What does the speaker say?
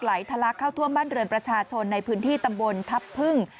ทะลักเข้าท่วมบ้านเรือนประชาชนในพื้นที่ตำบลทัพพึ่ง